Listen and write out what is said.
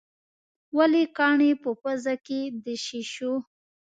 ولې کاڼي په پزه کې د شېشو.